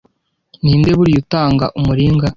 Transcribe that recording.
Ninde buriya utanga umuringa